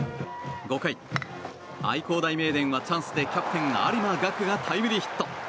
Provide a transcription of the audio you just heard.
５回、愛工大名電はチャンスでキャプテン有馬伽久がタイムリーヒット。